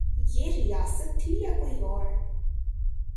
یہ ریاست تھی یا کوئی اور؟